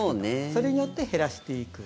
それによって減らしていくと。